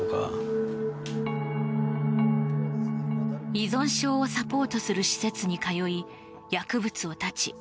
依存症をサポートする施設に通い、薬物を断ち